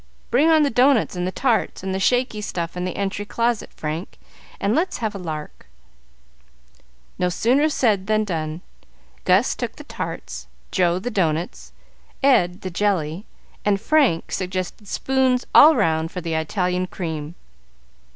Bring on the doughnuts and the tarts and the shaky stuff in the entry closet, Frank, and let's have a lark." No sooner said than done. Gus took the tarts, Joe the doughnuts, Ed the jelly, and Frank suggested "spoons all round" for the Italian cream.